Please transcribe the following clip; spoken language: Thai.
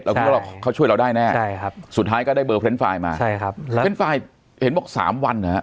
เราคิดว่าเขาช่วยเราได้แน่สุดท้ายก็ได้เบอร์เฟรนไฟล์มาเฟรนไฟล์เห็นบอก๓วันค่ะ